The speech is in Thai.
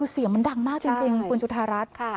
เสียงมันดังมากจริงคุณจุธารัฐ